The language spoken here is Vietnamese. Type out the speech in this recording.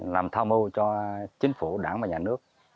làm tham mưu cho chính phủ đảng và nhà nước